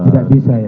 tidak bisa ya